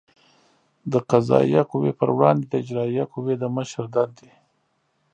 د قضایه قوې پر وړاندې د اجرایه قوې د مشر دندې